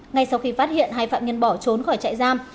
ngay sau khi phát hiện hai phạm nhân bỏ trốn khỏi trại giam